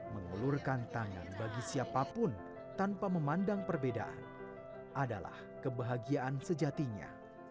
mengulurkan tangan bagi siapapun tanpa memandang perbedaan adalah kebahagiaan sejatinya